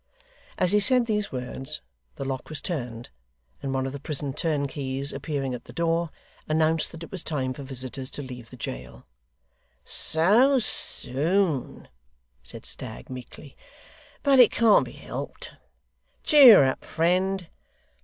As he said these words, the lock was turned, and one of the prison turnkeys appearing at the door, announced that it was time for visitors to leave the jail. 'So soon!' said Stagg, meekly. 'But it can't be helped. Cheer up, friend.